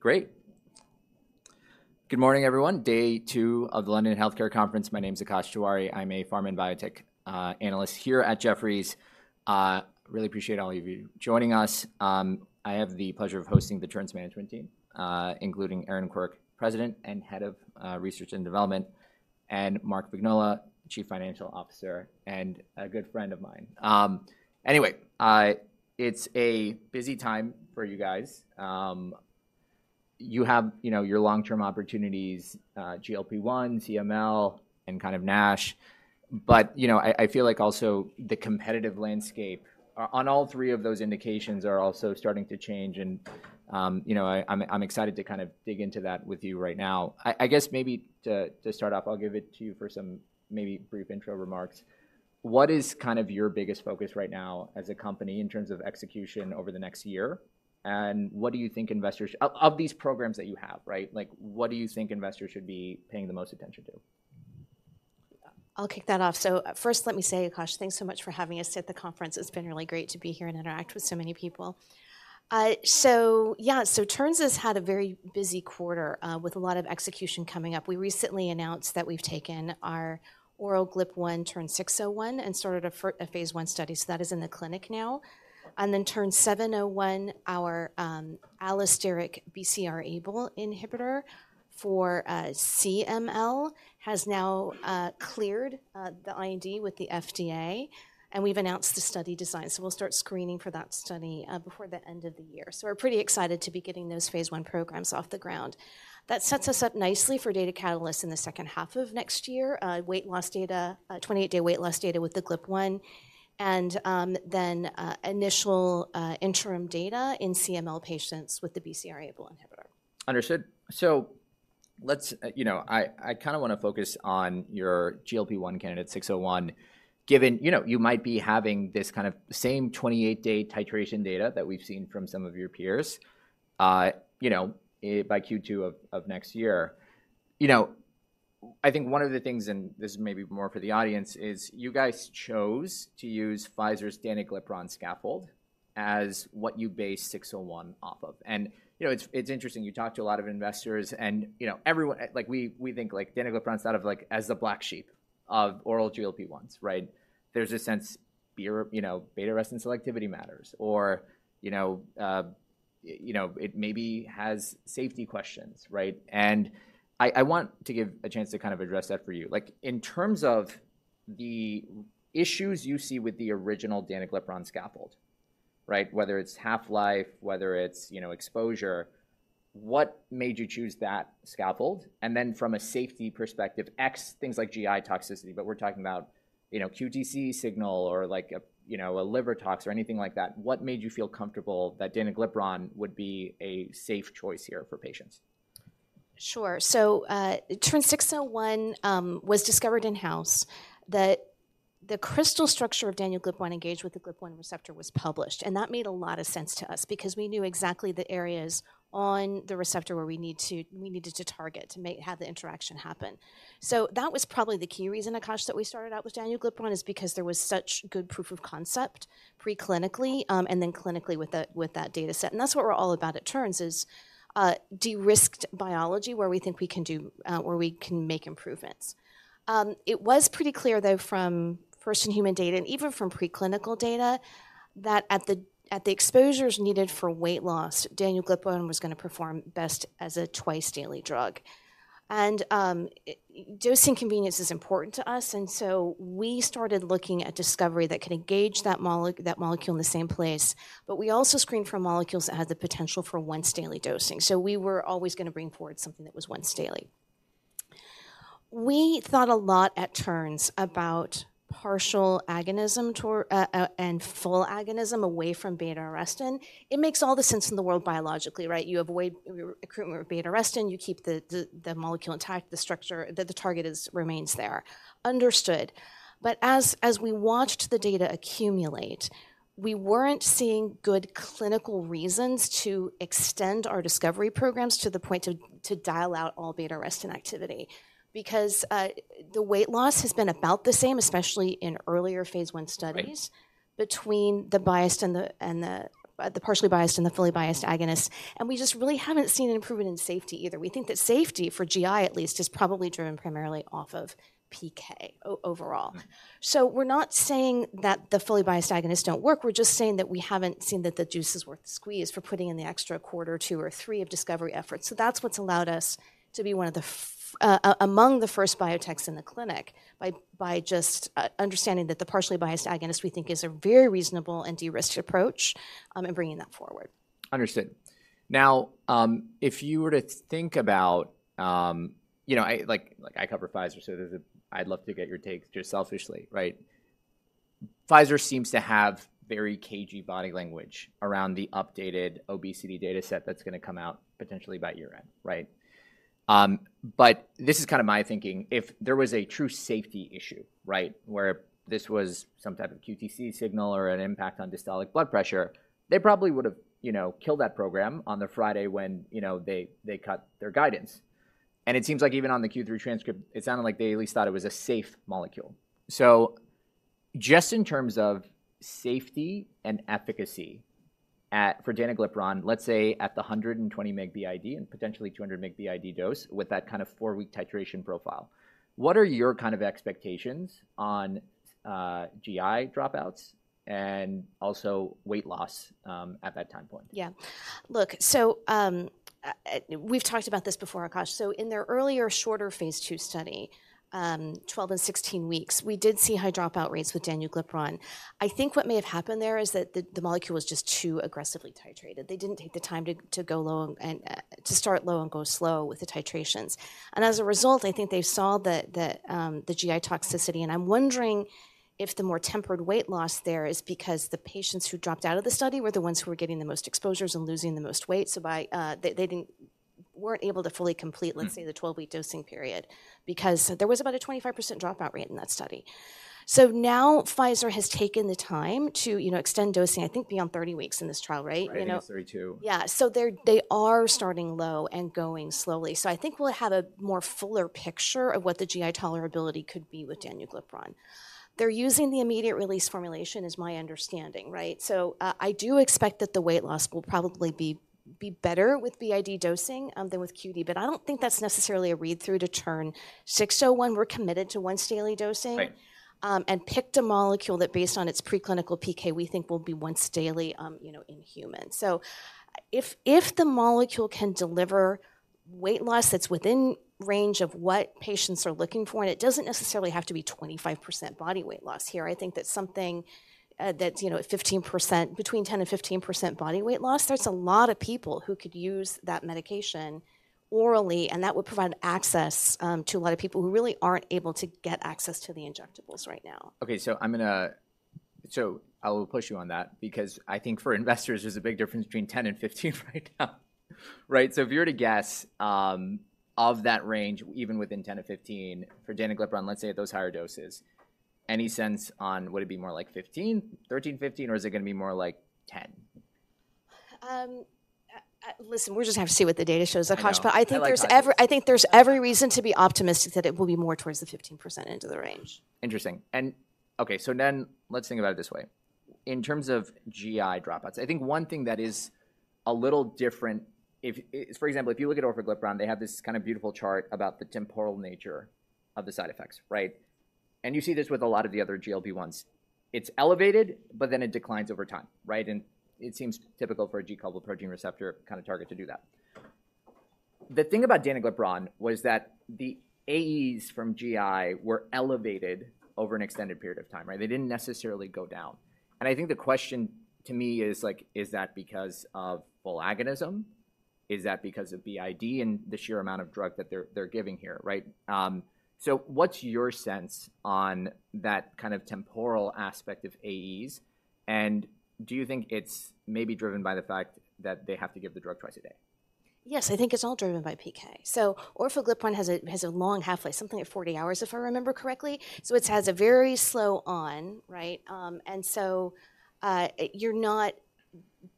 Great. Good morning, everyone. Day two of the London Healthcare Conference. My name is Akash Tewari. I'm a pharm and biotech analyst here at Jefferies. Really appreciate all of you joining us. I have the pleasure of hosting the Terns management team, including Erin Quirk, President and Head of Research and Development, and Mark Vignola, Chief Financial Officer, and a good friend of mine. Anyway, it's a busy time for you guys. You have, you know, your long-term opportunities, GLP-1, CML, and kind of NASH. But, you know, I feel like also the competitive landscape on all three of those indications are also starting to change, and, you know, I'm excited to kind of dig into that with you right now. I guess maybe to start off, I'll give it to you for some maybe brief intro remarks. What is kind of your biggest focus right now as a company in terms of execution over the next year? And, like, what do you think investors should be paying the most attention to? I'll kick that off. So first, let me say, Akash, thanks so much for having us at the conference. It's been really great to be here and interact with so many people. So yeah, so Terns has had a very busy quarter with a lot of execution coming up. We recently announced that we've taken our oral GLP-1, TERN-601, and started a phase I study, so that is in the clinic now. And then TERN-701, our allosteric BCR-ABL inhibitor for CML, has now cleared the IND with the FDA, and we've announced the study design. So we'll start screening for that study before the end of the year. So we're pretty excited to be getting those phase I programs off the ground. That sets us up nicely for data catalyst in the second half of next year, weight loss data, 28-day weight loss data with the GLP-1, and then initial interim data in CML patients with the BCR-ABL inhibitor. Understood. So let's, you know, I kinda wanna focus on your GLP-1 candidate, 601, given, you know, you might be having this kind of same 28-day titration data that we've seen from some of your peers, you know, by Q2 of next year. You know, I think one of the things, and this is maybe more for the audience, is you guys chose to use Pfizer's danuglipron scaffold as what you base 601 off of. And, you know, it's interesting, you talk to a lot of investors, and, you know, everyone, like, we think, like, danuglipron's out of, like, as the black sheep of oral GLP-1s, right? There's a sense, you know, beta-arrestin selectivity matters, or, you know, you know, it maybe has safety questions, right? I want to give a chance to kind of address that for you. Like, in terms of the issues you see with the original danuglipron scaffold, right? Whether it's half-life, whether it's, you know, exposure, what made you choose that scaffold? And then from a safety perspective, e.g., things like GI toxicity, but we're talking about, you know, QTc signal or, like, a liver tox or anything like that. What made you feel comfortable that danuglipron would be a safe choice here for patients? Sure. So, TERN-601 was discovered in-house, that the crystal structure of danuglipron engaged with the GLP-1 receptor was published, and that made a lot of sense to us because we knew exactly the areas on the receptor where we needed to target to make the interaction happen. So that was probably the key reason, Akash, that we started out with danuglipron, is because there was such good proof of concept preclinically, and then clinically with that data set. And that's what we're all about at Terns, is de-risked biology where we can make improvements. It was pretty clear, though, from first-in-human data and even from preclinical data, that at the exposures needed for weight loss, danuglipron was gonna perform best as a twice-daily drug. Dosing convenience is important to us, and so we started looking at discovery that can engage that molecule in the same place, but we also screened for molecules that had the potential for once-daily dosing, so we were always gonna bring forward something that was once daily. We thought a lot at Terns about partial agonism toward and full agonism away from beta-arrestin. It makes all the sense in the world biologically, right? You avoid recruitment of beta-arrestin, you keep the molecule intact, the structure, the target remains there. Understood. But as we watched the data accumulate, we weren't seeing good clinical reasons to extend our discovery programs to the point to dial out all beta-arrestin activity. Because the weight loss has been about the same, especially in earlier phase I studies- Right Between the biased and the partially biased and the fully biased agonists, and we just really haven't seen an improvement in safety either. We think that safety, for GI at least, is probably driven primarily off of PK overall. Right. So we're not saying that the fully biased agonists don't work. We're just saying that we haven't seen that the juice is worth the squeeze for putting in the extra quarter, two, or three of discovery efforts. So that's what's allowed us to be one of the first biotechs in the clinic by just understanding that the partially biased agonist, we think, is a very reasonable and de-risked approach, and bringing that forward. Understood. Now, if you were to think about. You know, like, I cover Pfizer, so there's I'd love to get your take, just selfishly, right? Pfizer seems to have very cagey body language around the updated obesity data set that's gonna come out potentially by year-end, right? But this is kinda my thinking: If there was a true safety issue, right, where this was some type of QTc signal or an impact on diastolic blood pressure, they probably would've, you know, killed that program on the Friday when, you know, they, they cut their guidance. And it seems like even on the Q3 transcript, it sounded like they at least thought it was a safe molecule. So Just in terms of safety and efficacy at for danuglipron, let's say at the 120 mg BID, and potentially 200 mg BID dose, with that kind of 4-week titration profile, what are your kind of expectations on GI dropouts and also weight loss at that time point? Yeah. Look, so, we've talked about this before, Akash. So in their earlier, shorter phase II study, 12 and 16 weeks, we did see high dropout rates with danuglipron. I think what may have happened there is that the molecule was just too aggressively titrated. They didn't take the time to go low and to start low and go slow with the titrations. And as a result, I think they saw the GI toxicity, and I'm wondering if the more tempered weight loss there is because the patients who dropped out of the study were the ones who were getting the most exposures and losing the most weight. So by they didn't weren't able to fully complete Let's say, the 12-week dosing period because there was about a 25% dropout rate in that study. So now Pfizer has taken the time to, you know, extend dosing, I think, beyond 30 weeks in this trial, right? You know Right, now it's 32. Yeah. So they are starting low and going slowly. So I think we'll have a more fuller picture of what the GI tolerability could be with danuglipron. They're using the immediate release formulation, is my understanding, right? So I do expect that the weight loss will probably be better with BID dosing than with QD, but I don't think that's necessarily a read-through to TERN-601. We're committed to once-daily dosing Right. and picked a molecule that, based on its preclinical PK, we think will be once daily, you know, in humans. So if the molecule can deliver weight loss that's within range of what patients are looking for, and it doesn't necessarily have to be 25% body weight loss here, I think that something that's, you know, at 15% between 10% and 15% body weight loss, there's a lot of people who could use that medication orally, and that would provide access to a lot of people who really aren't able to get access to the injectables right now. So I will push you on that because I think for investors, there's a big difference between 10 and 15 right now. Right? So if you were to guess, of that range, even within 10-15, for danuglipron, let's say at those higher doses, any sense on would it be more like 15, 13, 15, or is it gonna be more like 10? Listen, we'll just have to see what the data shows, Akash. I know. I like- But I think there's every reason to be optimistic that it will be more towards the 15% end of the range. Interesting. Okay, so then let's think about it this way. In terms of GI dropouts, I think one thing that is a little different is, for example, if you look at orfoglipron, they have this kind of beautiful chart about the temporal nature of the side effects, right? And you see this with a lot of the other GLP-1s. It's elevated, but then it declines over time, right? And it seems typical for a G-protein coupled receptor kind of target to do that. The thing about danuglipron was that the AEs from GI were elevated over an extended period of time, right? They didn't necessarily go down. And I think the question to me is, like: Is that because of full agonism? Is that because of BID and the sheer amount of drug that they're giving here, right? So, what's your sense on that kind of temporal aspect of AEs, and do you think it's maybe driven by the fact that they have to give the drug twice a day? Yes, I think it's all driven by PK. So orfoglipron has a long half-life, something like 40 hours, if I remember correctly. So it has a very slow on, right? And so, you're not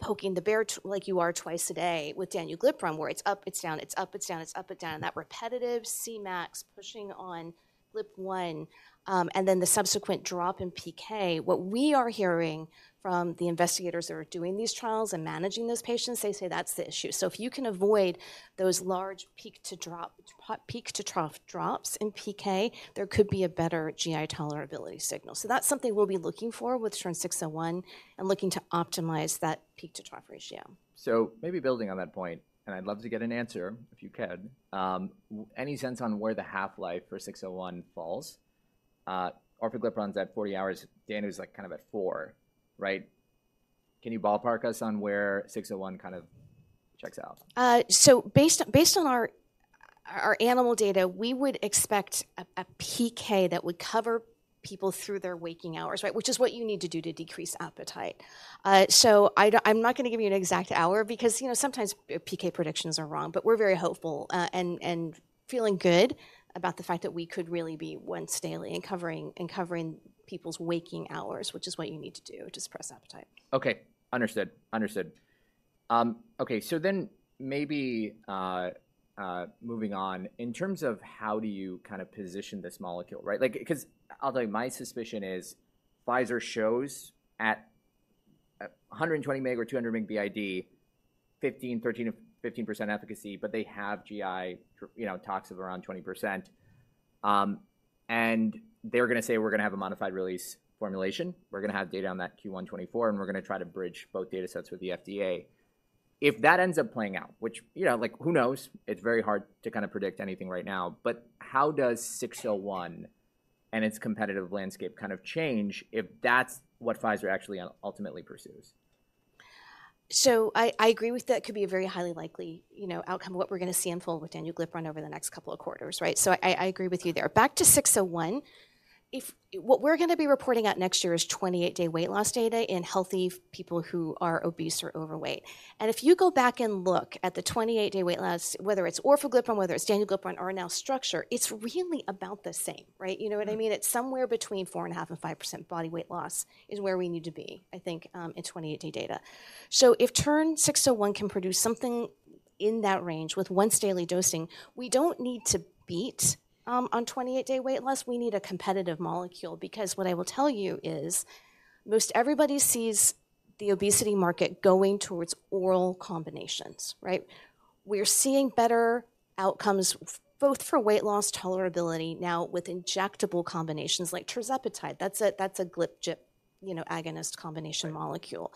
poking the bear like you are twice a day with danuglipron, where it's up, it's down, it's up, it's down, it's up and down, that repetitive Cmax pushing on GLP-1, and then the subsequent drop in PK. What we are hearing from the investigators that are doing these trials and managing those patients, they say that's the issue. So if you can avoid those large peak to drop, peak to trough drops in PK, there could be a better GI tolerability signal. So that's something we'll be looking for with TERN-601 and looking to optimize that peak to trough ratio. So maybe building on that point, and I'd love to get an answer, if you can, any sense on where the half-life for six oh one falls? orfoglipron's at 40 hours, danuglipron's, like, kind of at four, right? Can you ballpark us on where six oh one kind of checks out? So based on our animal data, we would expect a PK that would cover people through their waking hours, right? Which is what you need to do to decrease appetite. So I'm not gonna give you an exact hour because, you know, sometimes PK predictions are wrong, but we're very hopeful and feeling good about the fact that we could really be once daily and covering people's waking hours, which is what you need to do to suppress appetite. Okay, understood. Understood. Okay, so then maybe, moving on, in terms of how do you kind of position this molecule, right? Like, because although my suspicion is Pfizer shows at 120 mg or 200 mg BID, 13%-15% efficacy, but they have GI, you know, tox of around 20%. And they're gonna say, "We're gonna have a modified-release formulation. We're gonna have data on that Q1 2024, and we're gonna try to bridge both datasets with the FDA." If that ends up playing out, which, you know, like, who knows? It's very hard to kind of predict anything right now, but how does 601 and its competitive landscape kind of change if that's what Pfizer actually ultimately pursues? So I, I agree with that. Could be a very highly likely, you know, outcome of what we're gonna be seeing in full with danuglipron over the next couple of quarters, right? So I, I agree with you there. Back to 601, what we're gonna be reporting out next year is 28-day weight loss data in healthy people who are obese or overweight. And if you go back and look at the 28-day weight loss, whether it's orfoglipron, whether it's danuglipron, or now Structure, it's really about the same, right? You know what I mean? It's somewhere between 4.5% and 5% body weight loss, is where we need to be, I think, in 28-day data. So if TERN-601 can produce something in that range with once daily dosing, we don't need to beat on 28-day weight loss. We need a competitive molecule, because what I will tell you is, most everybody sees the obesity market going towards oral combinations, right? We're seeing better outcomes for both for weight loss tolerability now with injectable combinations like irzepatide. That's a, that's a GLP-GIP, you know, agonist combination molecule.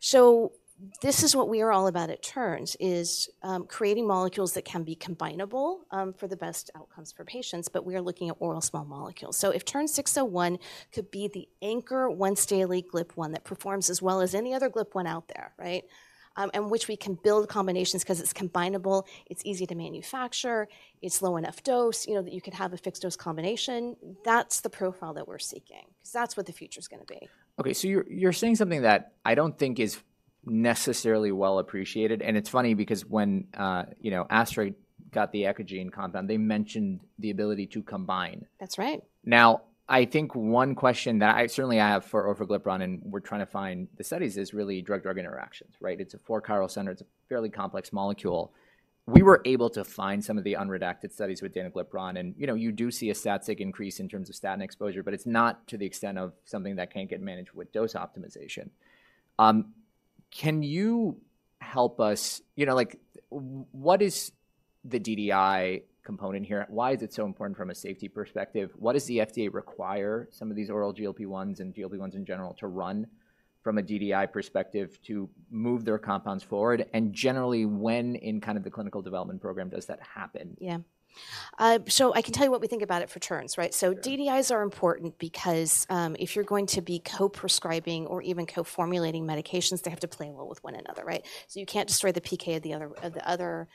So this is what we are all about at Terns, is, creating molecules that can be combinable, for the best outcomes for patients, but we are looking at oral small molecules. So if TERN-601 could be the anchor once-daily GLP-1 that performs as well as any other GLP-1 out there, right? And which we can build combinations 'cause it's combinable, it's easy to manufacture, it's low enough dose, you know, that you could have a fixed dose combination. That's the profile that we're seeking, 'cause that's what the future's gonna be. Okay, so you're saying something that I don't think is necessarily well appreciated, and it's funny because when you know, Astra got the Eccogene compound, they mentioned the ability to combine. That's right. Now, I think one question that I certainly have for orfoglipron, and we're trying to find the studies, is really drug-drug interactions, right? It's a four chiral center. It's a fairly complex molecule. We were able to find some of the unredacted studies with danuglipron, and, you know, you do see a statistical increase in terms of statin exposure, but it's not to the extent of something that can't get managed with dose optimization. Can you help us? You know, like, what is the DDI component here? Why is it so important from a safety perspective? What does the FDA require some of these oral GLP-1s and GLP-1s in general to run from a DDI perspective to move their compounds forward? And generally, when in kind of the clinical development program does that happen? Yeah. So I can tell you what we think about it for Terns, right? Sure. So DDIs are important because, if you're going to be co-prescribing or even co-formulating medications, they have to play well with one another, right? So you can't destroy the PK of the other, of the other,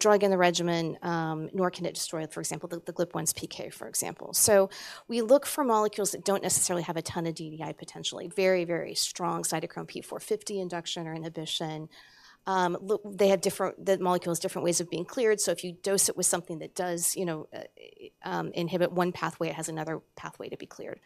drug in the regimen, nor can it destroy, for example, the, the GLP-1's PK, for example. So we look for molecules that don't necessarily have a ton of DDI potential, a very, very strong Cytochrome P450 induction or inhibition. They have different. The molecule has different ways of being cleared, so if you dose it with something that does, you know, inhibit one pathway, it has another pathway to be cleared.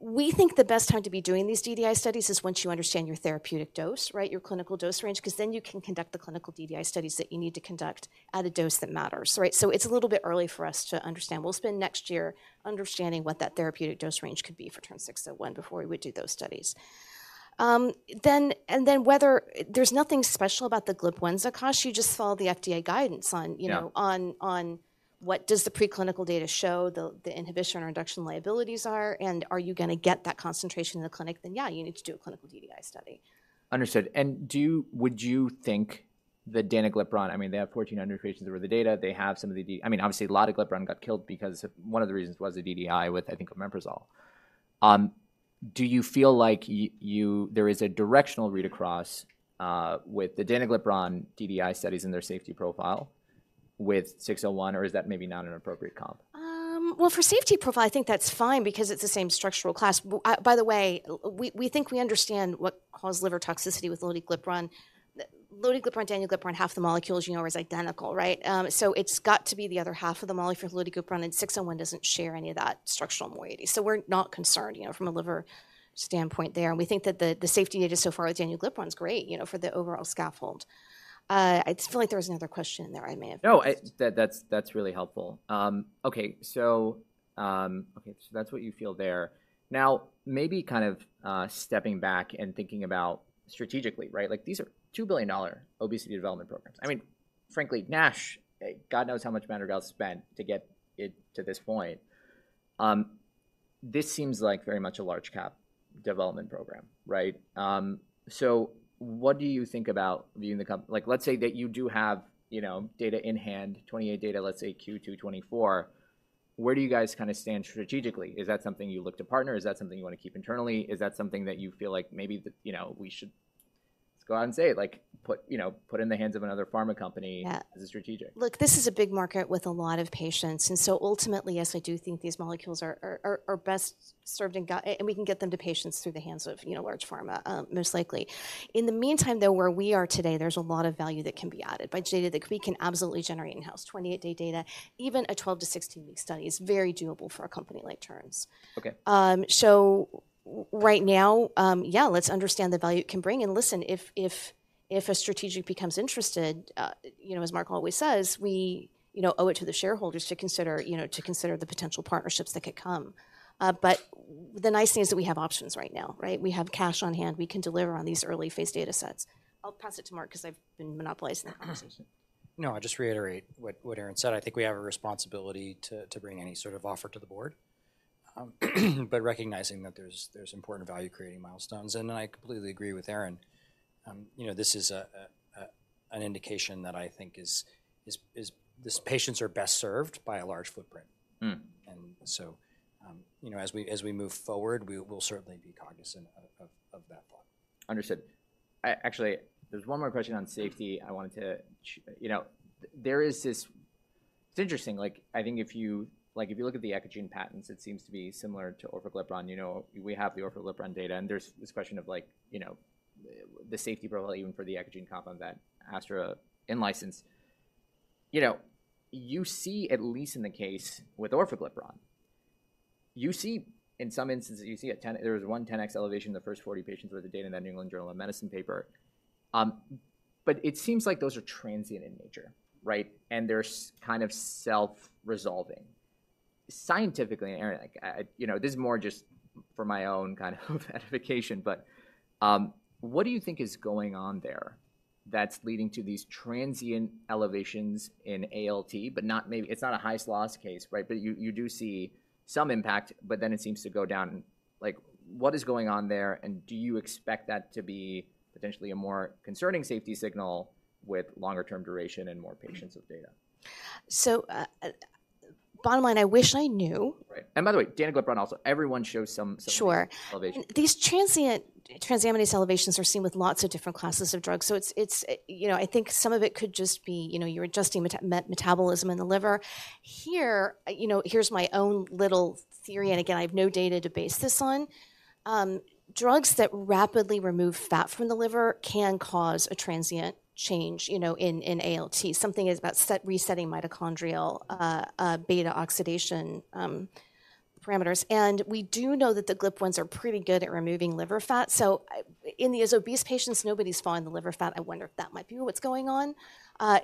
We think the best time to be doing these DDI studies is once you understand your therapeutic dose, right, your clinical dose range, 'cause then you can conduct the clinical DDI studies that you need to conduct at a dose that matters, right? So it's a little bit early for us to understand. We'll spend next year understanding what that therapeutic dose range could be for TERN-601 before we would do those studies. Then, and then whether there's nothing special about the GLP-1s, Akash. You just follow the FDA guidance on, you know- Yeah On what does the preclinical data show, the inhibition or reduction liabilities are, and are you gonna get that concentration in the clinic? Then, yeah, you need to do a clinical DDI study. Understood. Do you think the danuglipron, I mean, they have 1,400 patients over the data. They have some of the I mean, obviously, lotilipron got killed because one of the reasons was the DDI with, I think, omeprazole. Do you feel like you there is a directional read-across with the danuglipron DDI studies and their safety profile with six oh one, or is that maybe not an appropriate comp? Well, for safety profile, I think that's fine because it's the same structural class. By the way, we think we understand what caused liver toxicity with lotilipron. lotilipron, danuglipron, half the molecules, you know, is identical, right? So it's got to be the other half of the molecule for lotilipron, and 601 doesn't share any of that structural moiety. So we're not concerned, you know, from a liver standpoint there, and we think that the safety data so far with danuglipron is great, you know, for the overall scaffold. I just feel like there was another question in there I may have missed. No, that's really helpful. Okay, so that's what you feel there. Now, maybe kind of stepping back and thinking about strategically, right? Like, these are $2 billion obesity development programs. I mean, frankly, NASH, God knows how much Moderna spent to get it to this point. This seems like very much a large cap development program, right? So what do you think about being the comp? Like, let's say that you do have, you know, data in hand, 28 data, let's say Q2 2024, where do you guys kinda stand strategically? Is that something you look to partner? Is that something you wanna keep internally? Is that something that you feel like maybe that, you know, we should go out and say, like, put, you know, put in the hands of another pharma company- Yeah As a strategic? Look, this is a big market with a lot of patients, and so ultimately, yes, I do think these molecules are best served and we can get them to patients through the hands of, you know, large pharma, most likely. In the meantime, though, where we are today, there's a lot of value that can be added by data that we can absolutely generate in-house. 28-day data, even a 12- to 16-week study is very doable for a company like Terns. Okay. So right now, yeah, let's understand the value it can bring. Listen, if a strategic becomes interested, you know, as Mark always says, we owe it to the shareholders to consider the potential partnerships that could come. But the nice thing is that we have options right now, right? We have cash on hand. We can deliver on these early phase data sets. I'll pass it to Mark because I've been monopolizing. No, I'll just reiterate what Erin said. I think we have a responsibility to bring any sort of offer to the board, but recognizing that there's important value-creating milestones, and I completely agree with Erin. You know, this is an indication that I think is these patients are best served by a large footprint. Mm. So, you know, as we move forward, we'll certainly be cognizant of that thought. Understood. Actually, there's one more question on safety I wanted to. You know, there is this. It's interesting, like, I think if you, like, if you look at the Eccogene patents, it seems to be similar to orfoglipron. You know, we have the orfoglipron data, and there's this question of like, the safety profile, even for the Eccogene compound that AstraZeneca licensed. You know, you see, at least in the case with orfoglipron. You see, in some instances, you see a 10X elevation in the first 40 patients with the data in that New England Journal of Medicine paper. But it seems like those are transient in nature, right? And they're kind of self-resolving. Scientifically, Aaron, like I, you know, this is more just for my own kind of edification, but what do you think is going on there that's leading to these transient elevations in ALT, but not maybe, it's not a histology case, right? But you, you do see some impact, but then it seems to go down. Like, what is going on there, and do you expect that to be potentially a more concerning safety signal with longer term duration and more patients with data? Bottom line, I wish I knew. Right. And by the way, danuglipron also, everyone shows some, Sure. - elevation. These transient transaminase elevations are seen with lots of different classes of drugs. So it's, it's, you know, I think some of it could just be, you know, you're adjusting metabolism in the liver. Here, you know, here's my own little theory, and again, I have no data to base this on. Drugs that rapidly remove fat from the liver can cause a transient change, you know, in ALT. Something is about resetting mitochondrial beta oxidation parameters. And we do know that the GLP-1s are pretty good at removing liver fat. So, in these obese patients, nobody's found the liver fat. I wonder if that might be what's going on.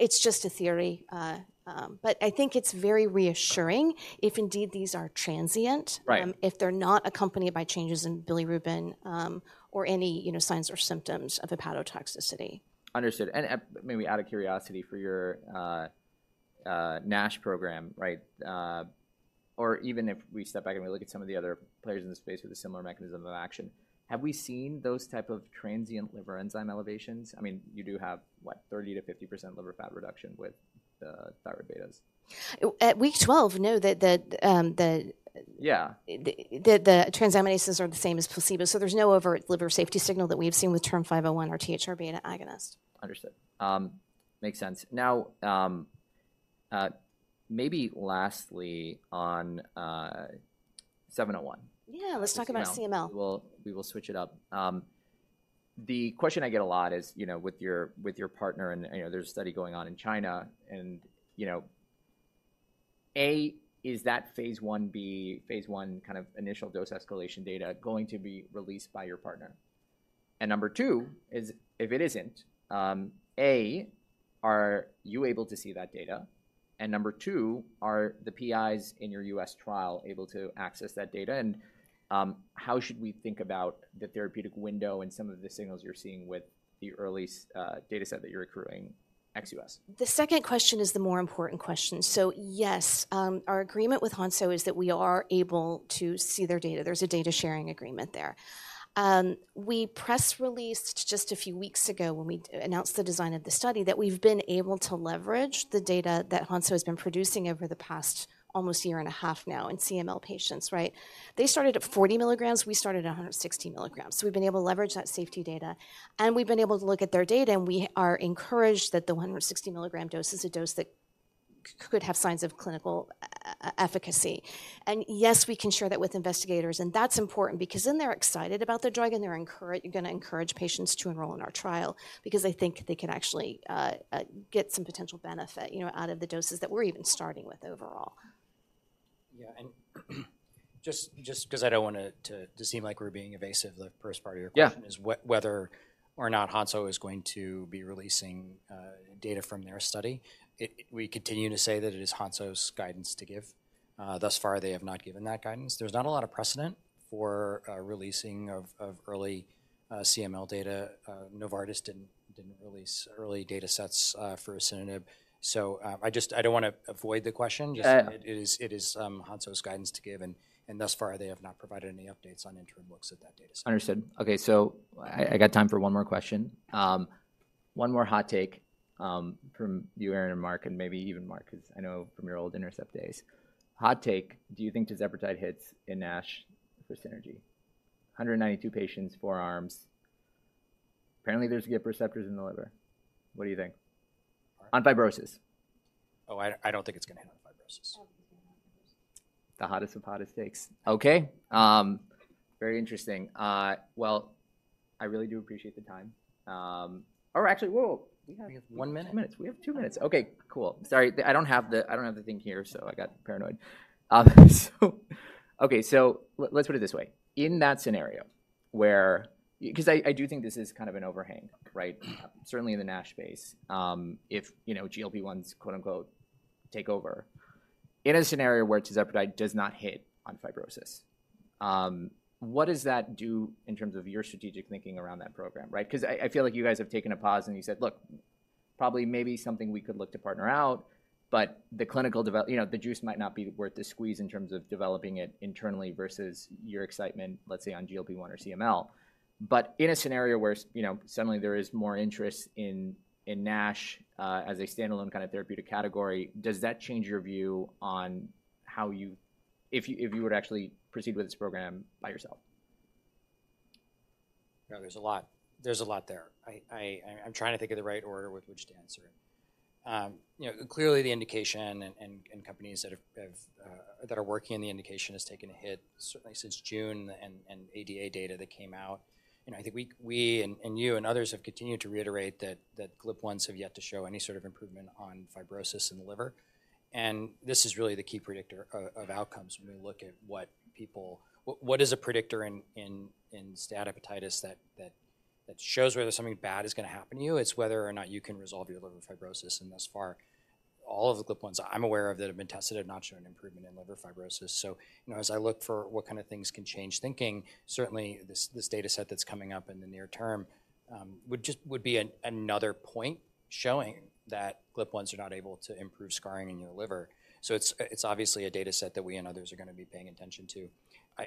It's just a theory, but I think it's very reassuring if indeed these are transient- Right. If they're not accompanied by changes in bilirubin, or any, you know, signs or symptoms of hepatotoxicity. Understood. And, maybe out of curiosity for your, NASH program, right? Or even if we step back and we look at some of the other players in the space with a similar mechanism of action, have we seen those type of transient liver enzyme elevations? I mean, you do have, what, 30%-50% liver fat reduction with the thyrobetas. At week 12, Yeah. The transaminases are the same as placebo, so there's no overt liver safety signal that we've seen with TERN-501 or THR-β agonist. Understood. Makes sense. Now, maybe lastly, on 701. Yeah, let's talk about CML. We will, we will switch it up. The question I get a lot is, you know, with your, with your partner and, you know, there's a study going on in China, and, you know, A, is that phase I kind of initial dose escalation data going to be released by your partner? And number two is, if it isn't, A, are you able to see that data? And number two, are the PIs in your U.S. trial able to access that data? And, how should we think about the therapeutic window and some of the signals you're seeing with the early data set that you're accruing ex-U.S.? The second question is the more important question. So yes, our agreement with Hansoh is that we are able to see their data. There's a data sharing agreement there. We press released just a few weeks ago when we announced the design of the study, that we've been able to leverage the data that Hansoh has been producing over the past almost year and a half now in CML patients, right? They started at 40 milligrams, we started at 160 milligrams. So we've been able to leverage that safety data, and we've been able to look at their data, and we are encouraged that the 160 milligram dose is a dose that could have signs of clinical efficacy. Yes, we can share that with investigators, and that's important because then they're excited about the drug, and they're gonna encourage patients to enroll in our trial because they think they can actually get some potential benefit, you know, out of the doses that we're even starting with overall. Yeah, and just because I don't want it to seem like we're being evasive, the first part of your question- Yeah Is whether or not Hansoh is going to be releasing data from their study. We continue to say that it is Hansoh's guidance to give. Thus far, they have not given that guidance. There's not a lot of precedent for releasing of early CML data. Novartis didn't release early data sets for asciminib. So, I just don't wanna avoid the question just, it is Hansoh's guidance to give, and thus far, they have not provided any updates on interim looks at that data set. Understood. Okay, so I got time for one more question. One more hot take from you, Erin and Mark, and maybe even Mark, 'cause I know from your old Intercept days. Hot take, do you think irzepatide hits in NASH for synergy? 192 patients, four arms. Apparently, there's GLP receptors in the liver. What do you think? On fibrosis. Oh, I don't think it's gonna hit on fibrosis. I don't think it's gonna hit fibrosis. The hottest of hot takes. Okay, very interesting. Well, I really do appreciate the time. Or actually, whoa, we have 1 minute? Minutes. We have two minutes. Okay, cool. Sorry, I don't have the, I don't have the thing here, so I got paranoid. So okay, so let's put it this way: in that scenario where 'cause I do think this is kind of an overhang, right? Certainly in the NASH space, if you know, GLP-1s quote-unquote "take over." In a scenario where irzepatide does not hit on fibrosis, what does that do in terms of your strategic thinking around that program, right? 'Cause I, I feel like you guys have taken a pause and you said: Look, probably maybe something we could look to partner out, but the clinical devel-- you know, the juice might not be worth the squeeze in terms of developing it internally versus your excitement, let's say, on GLP-1 or CML. But in a scenario where, you know, suddenly there is more interest in NASH as a standalone kind of therapeutic category, does that change your view on how you if you, if you were to actually proceed with this program by yourself? You know, there's a lot, there's a lot there. I'm trying to think of the right order with which to answer. You know, clearly, the indication and companies that are working in the indication has taken a hit, certainly since June and ADA data that came out. You know, I think we and you and others have continued to reiterate that GLP-1s have yet to show any sort of improvement on fibrosis in the liver. And this is really the key predictor of outcomes when we look at what is a predictor in steatohepatitis that shows whether something bad is gonna happen to you? It's whether or not you can resolve your liver fibrosis. And thus far, all of the GLP-1s I'm aware of that have been tested have not shown an improvement in liver fibrosis. So, you know, as I look for what kind of things can change thinking, certainly this, this data set that's coming up in the near term, would just, would be another point showing that GLP-1s are not able to improve scarring in your liver. So it's, it's obviously a data set that we and others are gonna be paying attention to.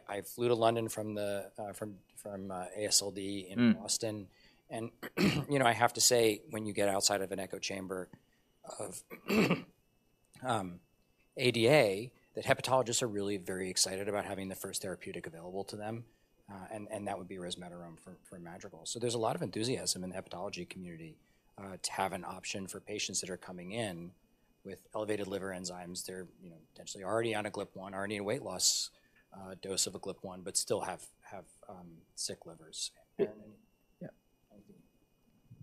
I flew to London from the, from, from, AASLD in Austin. And you know, I have to say, when you get outside of an echo chamber of ADA, that hepatologists are really very excited about having the first therapeutic available to them, and that would be resmetirom for Madrigal. So there's a lot of enthusiasm in the hepatology community to have an option for patients that are coming in with elevated liver enzymes. They're, you know, potentially already on a GLP-1, already in a weight loss dose of a GLP-1, but still have sick livers. Yeah.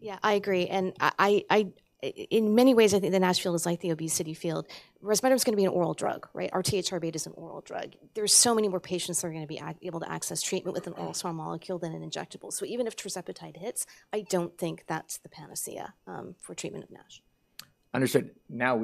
Yeah, I agree. Yeah, I agree, and in many ways, I think the NASH field is like the obesity field. Resmetirom is gonna be an oral drug, right? Our THRB is an oral drug. There's so many more patients that are gonna be able to access treatment with an oral small molecule than an injectable. So even if irzepatide hits, I don't think that's the panacea for treatment of NASH. Understood. Now-